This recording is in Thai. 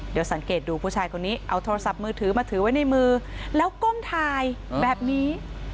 เดี๋ยวสังเกตดูผู้ชายคนนี้เอาโทรศัพท์มือถือมาถือไว้ในมือแล้วก้มทายแบบนี้